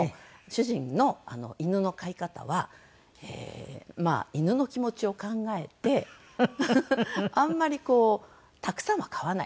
主人の犬の飼い方は犬の気持ちを考えてあんまりたくさんは飼わない。